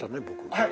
はい。